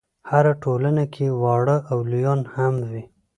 هره ټولنه کې واړه او لویان هم وي.